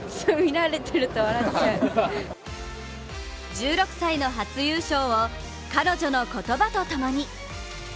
１６歳の初優勝を彼女の言葉とともに。